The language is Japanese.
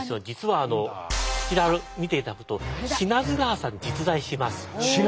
実はこちら見ていただくと不死川さん実在します。